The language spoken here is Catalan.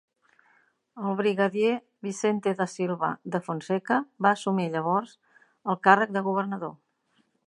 El brigadier Vicente da Silva da Fonseca va assumir llavors el càrrec de governador.